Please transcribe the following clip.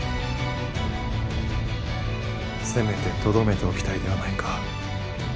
せめてとどめておきたいではないか。